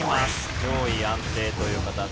上位安定という形。